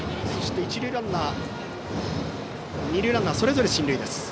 一塁ランナー、二塁ランナーそれぞれ進塁です。